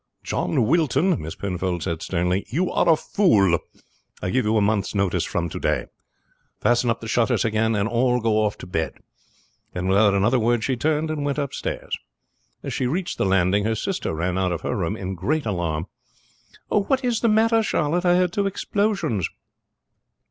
"John Wilton," Miss Penfold said sternly, "you are a fool! I give you a month's notice from to day. Fasten up the shutters again and all go off to bed." And without another word she turned and went upstairs. As she reached the landing her sister ran out of her room in great alarm. "What is the matter, Charlotte? I heard two explosions."